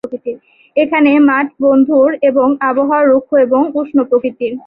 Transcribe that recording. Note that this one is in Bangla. এখানে মাঠ বন্ধুর এবং আবহাওয়া রুক্ষ এবং উষ্ণ প্রকৃতির।